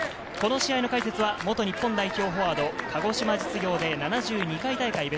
この試合の解説は元日本代表フォワード、鹿児島実業で７２回大会